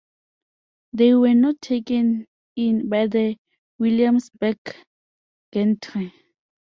They were not taken in by the Williamsburg gentry.